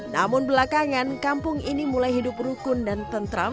namun belakangan kampung ini mulai hidup rukun dan tentram